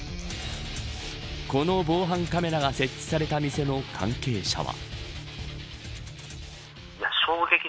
この防犯カメラが設置された店の関係者は。